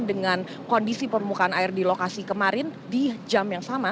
dengan kondisi permukaan air di lokasi kemarin di jam yang sama